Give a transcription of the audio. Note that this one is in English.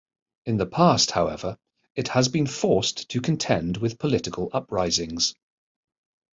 In the past, however, it has been forced to contend with political uprisings.